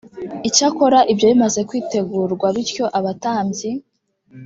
icyakora ibyo bimaze kwitegurwa bityo abatambyi